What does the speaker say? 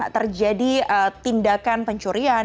terjadi tindakan pencurian